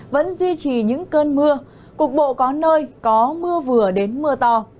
vẫn duy trì những cơn mưa cục bộ có nơi có mưa vừa đến mưa to